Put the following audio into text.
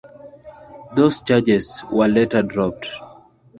Those charges were later dropped.